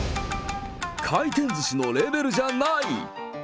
回転ずしのレベルじゃない。